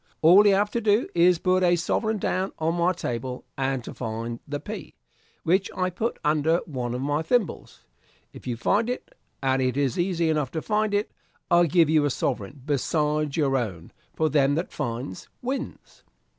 "All you have to do is to put a sovereign down on my table, and to find the pea, which I put under one of my thimbles. If you find it and it is easy enough to find it I give you a sovereign besides your own; for them that finds, wins."